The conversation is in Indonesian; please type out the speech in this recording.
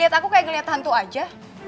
lihat aku kayak ngeliat hantu aja